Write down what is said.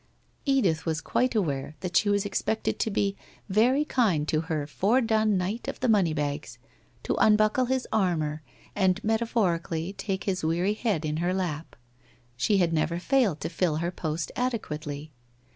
Edith was quite aware that she was ex pected to be very kind to her forcdone knight of the money bags, to unbuckle his armour, and metaphorically take his weary head in her lap. She had never failed to fill her post adequately.